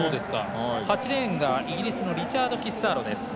８レーンがイギリスのリチャード・キッサーロ。